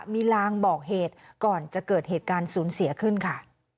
มีลางบอกเหตุก่อนจะเกิดเหตุการณ์สูญเสียขึ้นค่ะ